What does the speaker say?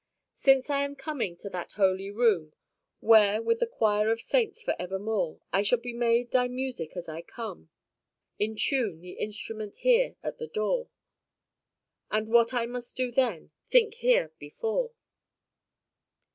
"Since I am coming to that holy room, Where, with the choir of saints for evermore, I shall be made thy music, as I come, I tune the instrument here at the door; And what I must do then, think here before."